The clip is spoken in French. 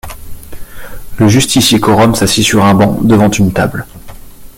Le justicier-quorum s’assit sur un banc, devant une table ;